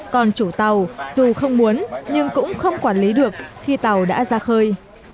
còn chủ tàu dù không muốn nhưng cũng không quản lý được khi tàu đã ra khơi